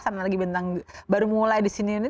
sana lagi bintang baru mulai di sini